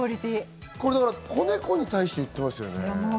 子猫に対して言ってますよね。